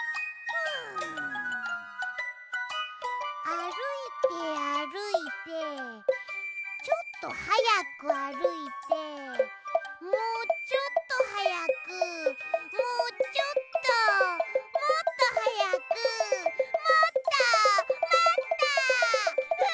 あるいてあるいてちょっとはやくあるいてもうちょっとはやくもうちょっともっとはやくもっともっと！